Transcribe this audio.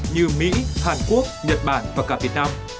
như mỹ hàn quốc nhật bản và cả việt nam